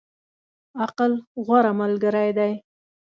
عقل، غوره ملګری دی.